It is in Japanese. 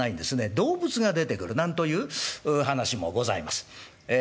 動物が出てくるなんという噺もございます。